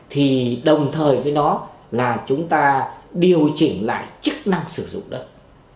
thì đồng thời với nó là chúng ta điều chỉnh lại chức năng sử dụng đất